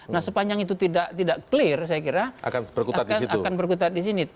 nah sepanjang itu tidak clear saya kira akan berkutat di sini